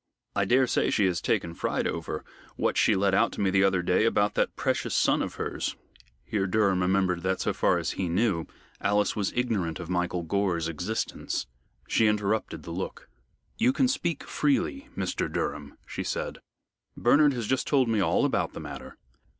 I daresay she has taken fright over what she let out to me the other day about that precious son of hers" here Durham remembered that, so far as he knew, Alice was ignorant of Michael Gore's existence. She interpreted the look. "You can speak freely, Mr. Durham," she said. "Bernard has just told me all about the matter."